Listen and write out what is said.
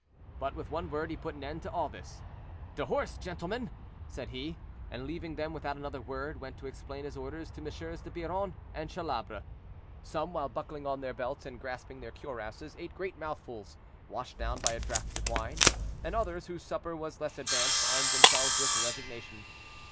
But with one word he put an end to all this: "To horse, gentlemen," said he; and leaving them without another word, went to explain his orders to MM. de Biron and Chalabre. Some, while buckling on their belts and grasping their cuirasses, ate great mouthfuls, washed down by a draught of wine; and others, whose supper was less advanced, armed themselves with resignation.